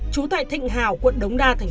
trú tại thịnh hào quận đống đa tp hà nội